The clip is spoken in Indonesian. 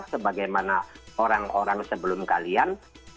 sebagaimana orang orang sebelum kalian